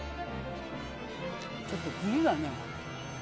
ちょっと栗がね。